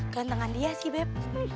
gantengan dia sih beb